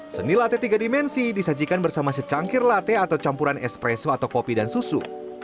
seni latte tiga dimensi disajikan bersama secangkir latte atau campuran espresso atau kopi dan susu